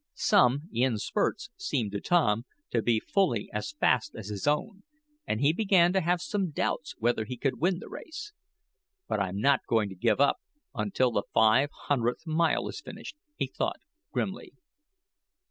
Some, in spurts, seemed to Tom, to be fully as fast as his own, and he began to have some doubts whether he would win the race. "But I'm not going to give up until the five hundredth mile is finished," he thought, grimly.